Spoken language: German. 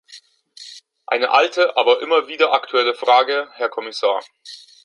Eine alte, aber immer wieder aktuelle Frage, Herr Kommissar.